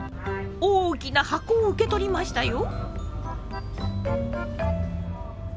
大きな箱を受け取りましたよ。